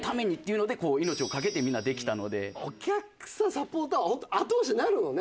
サポーター後押しになるのね。